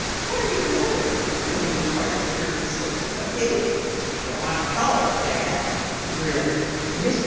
"What are you building?" Penny inquired curiously. "A gate?" "You might call it that," he grinned. "Mr.